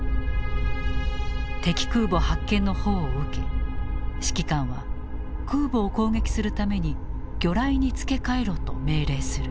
敵空母発見の報を受け指揮官は空母を攻撃するために魚雷に付け換えろと命令する。